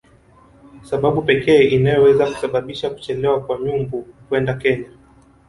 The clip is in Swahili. sababu pekee inayoweza kusababisha kuchelewa kwa Nyumbu kwenda Kenya